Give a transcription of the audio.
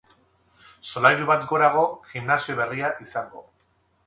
Solairu bat gorago gimnasio berria izango.